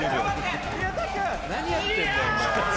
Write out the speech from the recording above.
何やってるんだよもう。